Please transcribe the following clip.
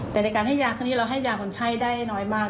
แต่ในการให้ยาครั้งนี้เราให้ยาคนไข้ได้น้อยมาก